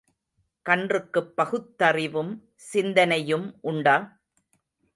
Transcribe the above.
கன்றுக்குப் பகுத்தறிவும் சிந்தனையும் உண்டா?